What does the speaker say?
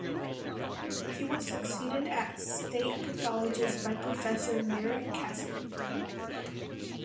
He was succeeded as State Pathologist by Professor Marie Cassidy.